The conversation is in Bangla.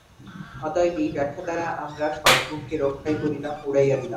অতএব এই ব্যাখ্যা দ্বারা আমরা সগুণকে রক্ষাই করিলাম, উড়াইয়া দিলাম না।